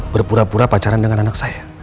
berpura pura pacaran dengan anak saya